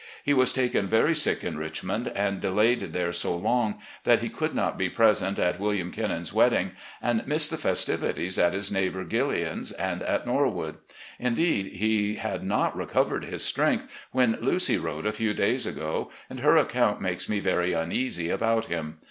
He was taken very sick in Richmond and de FAILING HEALTH 379 layed tliere so long that he cottld not be present at Wm. Kennon's wedding, and missed the festivities at his neighbour Gilliam's and at Norwood. Indeed, he had not recovered his strength when Lucy wrote a few days ago, and her account makes me very tmeasy about him.